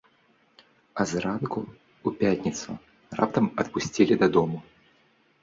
А зранку ў пятніцу раптам адпусцілі дадому.